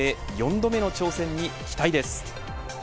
４度目の挑戦に期待です。